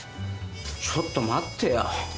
ちょっと待ってよ。